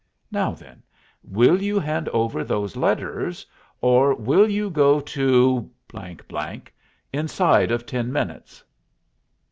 Now, then, will you hand over those letters, or will you go to inside of ten minutes?"